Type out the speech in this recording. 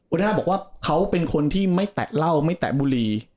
หัวหน้าบอกว่าเขาเป็นคนที่ไม่แตะเหล้าไม่แตะบุรี